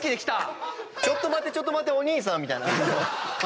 ちょっと待ってちょっと待ってお兄さんみたいな感じに。